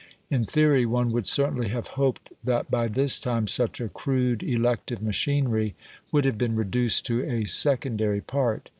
In theory, one would certainly have hoped that by this time such a crude elective machinery would have been reduced to a secondary part.